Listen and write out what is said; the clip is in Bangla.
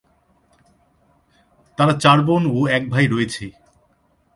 তারা চার বোন ও এক ভাই রয়েছে।